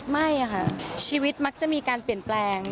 ไม่ค่ะชีวิตมักจะมีการเปลี่ยนแปลง